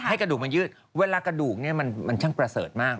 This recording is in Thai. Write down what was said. กระดูกมันยืดเวลากระดูกเนี่ยมันช่างประเสริฐมาก